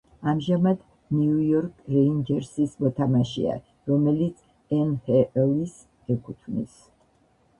ამჟამად „ნიუ-იორკ რეინჯერსის“ მოთამაშეა, რომელიც ნჰლ-ის ეკუთვნის.